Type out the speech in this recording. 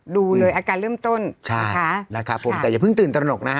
ดูเลยอาการเริ่มต้นใช่ค่ะนะครับผมแต่อย่าเพิ่งตื่นตระหนกนะฮะ